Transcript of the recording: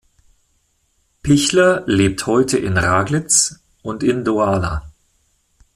Pichler lebt heute in Raglitz´und in Douala.